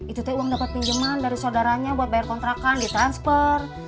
itu tuh uang dapat pinjaman dari saudaranya buat bayar kontrakan ditransfer